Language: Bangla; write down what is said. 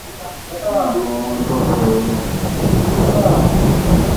কিন্তু ও আমার কাঁধ বরাবর হয়।